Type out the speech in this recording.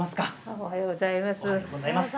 おはようございます。